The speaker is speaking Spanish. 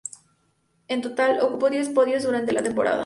En total, ocupó diez podios durante la temporada.